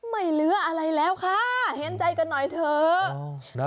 ไม่เหลืออะไรแล้วค่ะเห็นใจกันหน่อยเถอะ